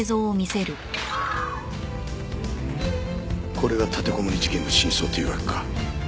これが立てこもり事件の真相というわけか。